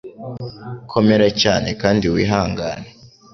Komera cyane kandi wihangane